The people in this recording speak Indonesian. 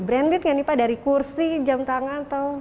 branded gak nih pak dari kursi jam tangan atau